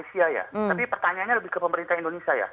tapi pertanyaannya lebih ke pemerintah indonesia ya